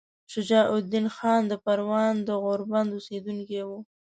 شجاع الدین خان د پروان د غوربند اوسیدونکی وو.